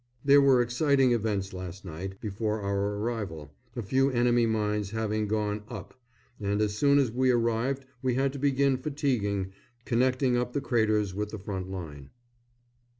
There were exciting events last night, before our arrival, a few enemy mines having gone "up," and as soon as we arrived we had to begin fatiguing, connecting up the craters with the front line.